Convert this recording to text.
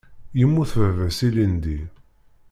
Yemmut baba-s ilindi.